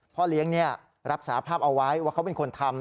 พ่อเลี้ยงรับสาภาพเอาไว้ว่าเขาเป็นคนทำ